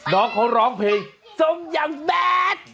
น้องเขาร้องเพลงทรงอย่างแบด